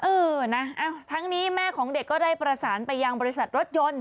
เออนะทั้งนี้แม่ของเด็กก็ได้ประสานไปยังบริษัทรถยนต์